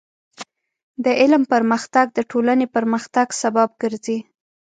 د علم پرمختګ د ټولنې پرمختګ سبب ګرځي.